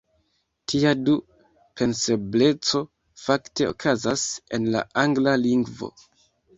Tia "du-pensebleco" fakte okazas en la angla lingvo.